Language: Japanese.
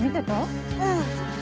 うん。